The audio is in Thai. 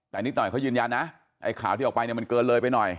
แต่นิดหน่อยเขายืนยันนะไอ้ข่าวที่ออกไปเนี่ยมันเกินเลยไปหน่อย